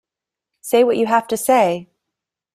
Say what you have to say.